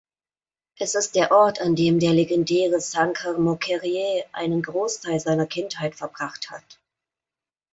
Es ist der Ort, an dem der legendäre Sankar Mukherjee einen Großteil seiner Kindheit verbracht hat.